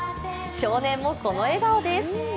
少年もこの笑顔です。